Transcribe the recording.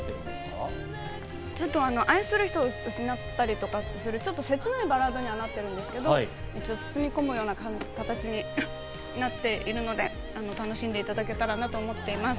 愛する人を失ったりとか、ちょっとせつないバラードになってるんですけど、包み込むような形になっているので、楽しんでいただけたらなと思っています。